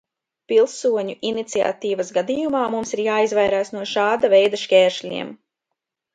Pilsoņu iniciatīvas gadījumā mums ir jāizvairās no šāda veida šķēršļiem.